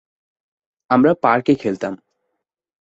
আমরা পার্কে খেলতাম।